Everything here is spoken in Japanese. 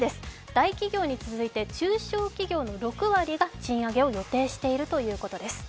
大企業に続いて中小企業の６割が賃上げを予定しているということです。